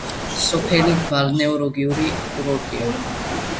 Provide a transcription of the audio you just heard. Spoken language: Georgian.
სოფელი ბალნეოლოგიური კურორტია.